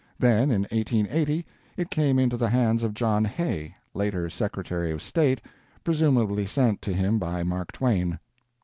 Then, in 1880, it came into the hands of John Hay, later Secretary of State, presumably sent to him by Mark Twain.